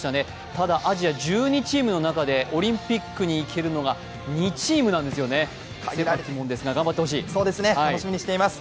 ただ、アジア１２チームの中でオリンピックに行けるのが２チームなんですね狭き門ですが楽しみにしています。